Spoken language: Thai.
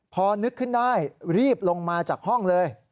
พอนึกขึ้นได้รีบลงมาจากห้องเลย